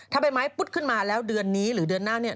ถ้าใบไม้ปุ๊ดขึ้นมาแล้วเดือนนี้หรือเดือนหน้าเนี่ย